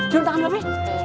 jom tangan babenya